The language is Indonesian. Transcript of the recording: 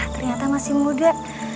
ternyata masih muda